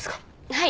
はい。